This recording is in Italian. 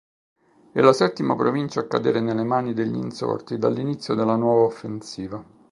È la settima provincia a cadere nelle mani degli insorti dall'inizio della nuova offensiva.